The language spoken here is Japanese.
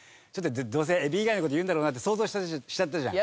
どうせエビ以外の事言うんだろうなって想像しちゃったじゃん。